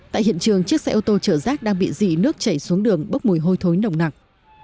tại hiện trường chiếc xe ô tô chở rác đang bị dị nước chảy xuống đường bốc mùi hôi thối nồng nặng